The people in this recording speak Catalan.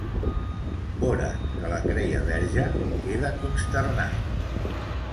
Borat, que la creia verge, queda consternat.